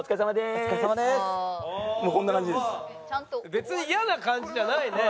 別に嫌な感じじゃないね。